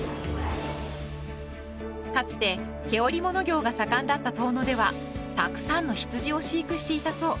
かつて毛織物業が盛んだった遠野ではたくさんの羊を飼育していたそう。